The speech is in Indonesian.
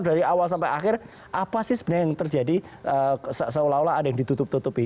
dari awal sampai akhir apa sih sebenarnya yang terjadi seolah olah ada yang ditutup tutupi